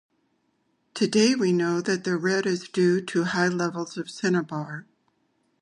Today we know that the red is due to high levels of cinnabar.